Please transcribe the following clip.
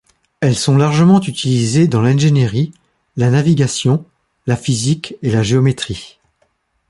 Elles sont largement utilisées dans l'ingénierie, la navigation, la physique et la géométrie.